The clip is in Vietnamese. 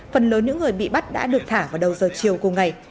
phần lớn những người bị bắt đã được thả vào đầu giờ chiều cùng ngày